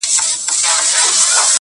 او عذاب زغمي دننه سخت رنځ لري-